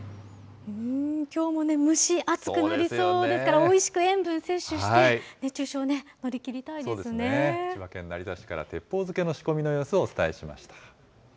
きょうもね、蒸し暑くなりそうですから、おいしく塩分摂取して、千葉県成田市から鉄砲漬けの仕込みの様子をお伝えしました。